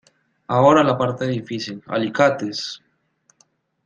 Ahora la parte difícil. ¡ Alicates!